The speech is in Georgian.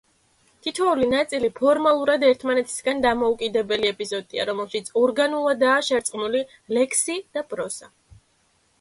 თითოეული ნაწილი ფორმალურად ერთმანეთისაგან დამოუკიდებელი ეპიზოდია, რომელშიც ორგანულადაა შერწყმული ლექსი და პროზა.